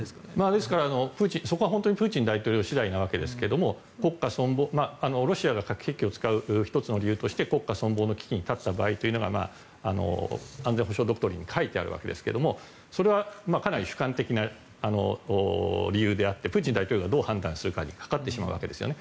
ですからそこはプーチン大統領次第なわけですがロシアが核兵器を使う１つの理由として国家存亡の危機に立った場合というのが安全保障ドクトリンに書いてあるわけですがそれはかなり主観的な理由であってプーチン大統領がどう判断するかにかかってしまうわけですね。